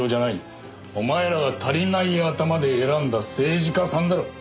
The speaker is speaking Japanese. お前らが足りない頭で選んだ政治家さんだろ？